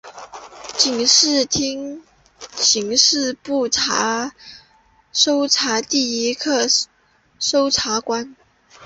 警视厅刑事部搜查第一课搜查官。